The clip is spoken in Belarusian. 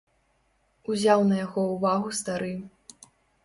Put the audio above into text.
Узяў на яго ўвагу стары.